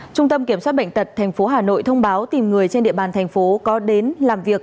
trung tâm kiểm soát bệnh tật tp hà nội thông báo tìm người trên địa bàn thành phố có đến làm việc